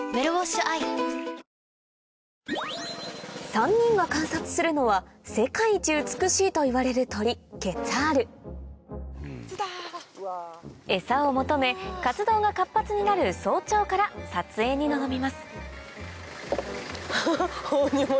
３人が観察するのは世界一美しいといわれる鳥ケツァール餌を求め活動が活発になる早朝から撮影に臨みますハハハ大荷物。